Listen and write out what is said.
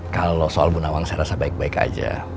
kalau soal ibu nawang saya rasa baik baik aja